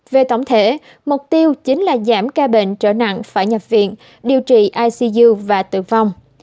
về tổng thể mục tiêu chính là giảm ca bệnh trở nặng phải nhập viện điều trị icu và tử vong